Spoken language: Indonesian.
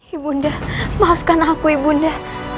ibu nda maafkan aku ibu nda